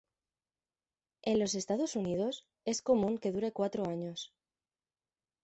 En los Estados Unidos, es común que dure cuatro años.